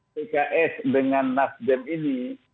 pks dengan nasdem ini